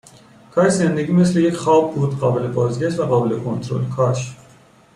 کاش زندگی مثل یه خواب بود قابل بازگشت و قابل کنترل. کاش